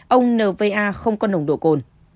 ông nva không có nồng độ cồn